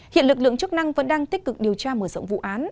hiện lực lượng chức năng vẫn đang tích cực điều tra mở rộng vụ án